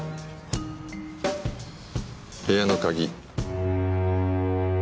部屋の鍵。